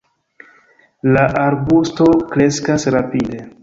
La arbusto kreskas rapide.